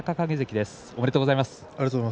ありがとうございます。